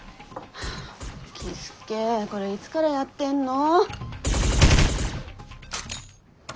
樹介これいつからやってんの。